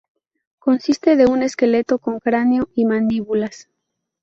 Consiste de un esqueleto con cráneo y mandíbulas.